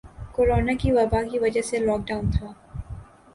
corona کی وبا کی وجہ سے لاک ڈاؤن تھا